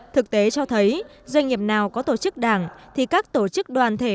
thực tế cho thấy doanh nghiệp nào có tổ chức đảng thì các tổ chức đoàn thể